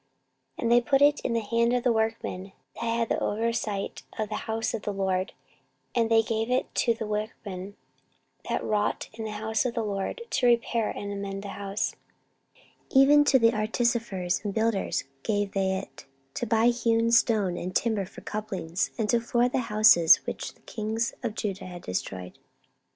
14:034:010 And they put it in the hand of the workmen that had the oversight of the house of the LORD, and they gave it to the workmen that wrought in the house of the LORD, to repair and amend the house: 14:034:011 Even to the artificers and builders gave they it, to buy hewn stone, and timber for couplings, and to floor the houses which the kings of Judah had destroyed.